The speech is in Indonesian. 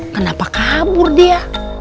kenapa kabur dia